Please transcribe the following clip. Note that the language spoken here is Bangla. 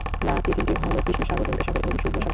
বাকি তিনটি হল কৃষ্ণ সাগর, লোহিত সাগর এবং শুভ্র সাগর।